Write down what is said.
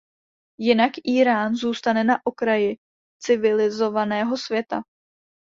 Jinak Írán zůstane na okraji civilizovaného světa.